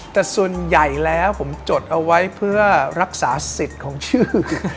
แต่ส่วนใหญ่แล้วผมจดเอาไว้เพื่อรักษาสิทธิ์ของชื่อ